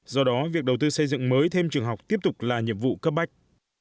do đó việc đầu tư xây dựng mới thêm trường học tiếp tục là nhiệm vụ cấp bách